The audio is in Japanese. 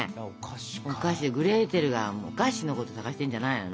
グレーテルはお菓子のこと探してんじゃないの？